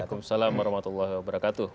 waalaikumsalam warahmatullahi wabarakatuh